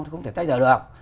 nó không thể tách dở được